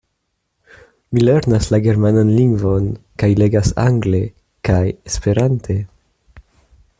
Mi lernas la germanan lingvon kaj legas angle kaj esperante.